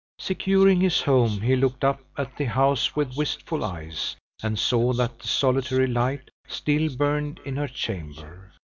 Securing his horse, he looked up at the house with wistful eyes, and saw that the solitary light still burned in her chamber.